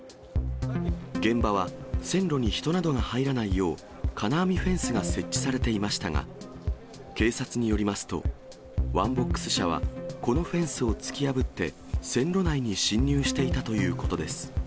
現場は、線路に人などが入らないよう、金網フェンスが設置されていましたが、警察によりますと、ワンボックス車はこのフェンスを突き破って、線路内に進入していたということです。